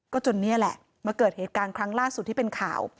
จนนี่แหละมาเกิดเหตุการณ์ครั้งล่าสุดที่เป็นข่าว